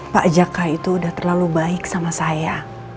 pak jaka itu udah terlalu baik sama saya